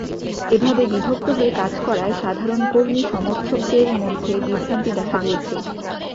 এভাবে বিভক্ত হয়ে কাজ করায় সাধারণ কর্মী-সমর্থকদের মধ্যে বিভ্রান্তি দেখা দিয়েছে।